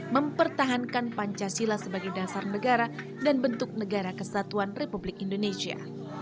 mempertahankan pancasila sebagai dasar negara dan bentuk negara kesatuan republik indonesia